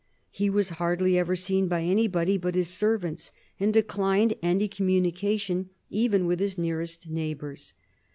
He was hardly ever seen by anybody but his servants, and declined any communication even with his nearest neighbors.